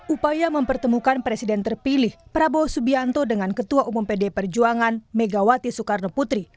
upaya mempertemukan presiden terpilih prabowo subianto dengan ketua umum pd perjuangan megawati soekarno putri